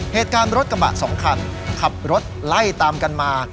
เหตุการณ์รถกระบะสองคันขับรถไล่ตามกันมา